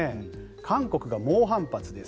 韓国が猛反発です。